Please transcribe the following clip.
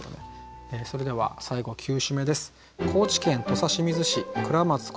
それでは最後９首目です。